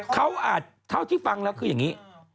เขาอาจเท่าที่ฟังแล้วคืออย่างนี้